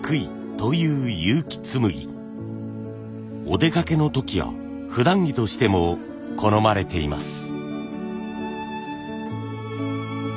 お出かけの時やふだん着としても好まれています。